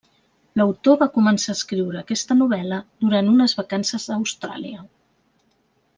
L'autor va començar a escriure aquesta novel·la durant unes vacances a Austràlia.